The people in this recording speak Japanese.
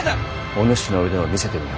お主の腕を見せてみよ。